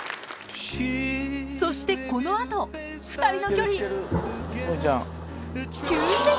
そしてこの後２人の距離あぁ！